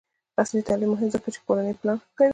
عصري تعلیم مهم دی ځکه چې د کورنۍ پلان ښه کوي.